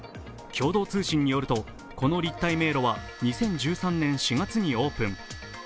共同通信によるとこの立体迷路は２０１３年４月にオープン。